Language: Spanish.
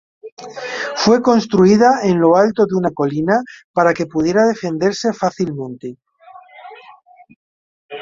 Fue construida en lo alto de una colina para que pudiera defenderse fácilmente.